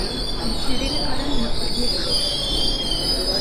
Bi kerê nikarin li kuriyê dixin